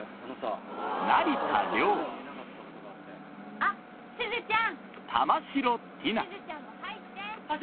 あっすずちゃん！